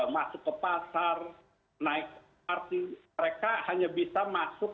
masuk ke pasar naik lrt mereka hanya bisa masuk